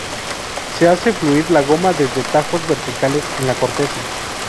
Se hace fluir la goma desde tajos verticales en la corteza.